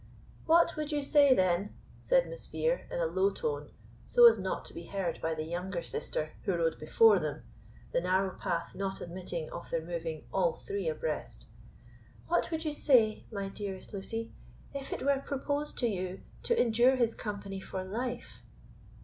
"What would you say, then," said Miss Vere, in a low tone, so as not to be heard by the younger sister, who rode before them, the narrow path not admitting of their moving all three abreast, "What would you say, my dearest Lucy, if it were proposed to you to endure his company for life?"